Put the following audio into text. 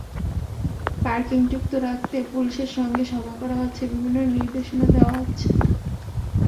পার্কিংমুক্ত রাখতে পুলিশের সঙ্গে সভা করা হচ্ছে, বিভিন্ন নির্দেশনা দেওয়া হচ্ছে।